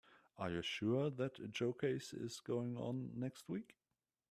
Are you sure that Joe case is going on next week?